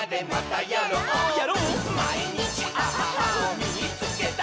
「まいにちアハハをみいつけた！」